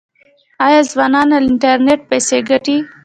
آیا ځوانان له انټرنیټ پیسې ګټي؟